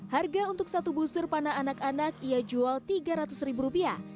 harga untuk satu busur panah anak anak ia jual rp tiga ratus ribu rupiah